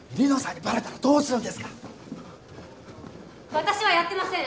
私はやってません！